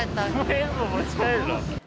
綿棒、持ち帰るの？